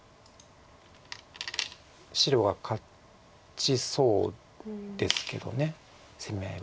白が勝ちそうですけど攻め合い。